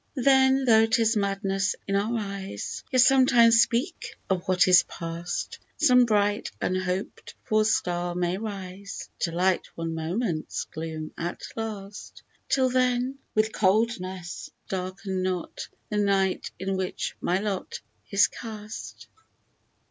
Then, though 'tis madness in our eyes, Yet sometimes speak of what is past ; Some bright unhoped for star may rise To light one moment's gloom at last,— Till then, with coldness darken not The night in which my lot is cast